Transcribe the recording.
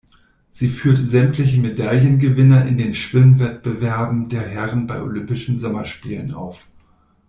Sie führt sämtliche Medaillengewinner in den Schwimm-Wettbewerben der Herren bei Olympischen Sommerspielen auf.